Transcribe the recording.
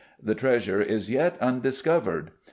The treasure is yet undiscovered.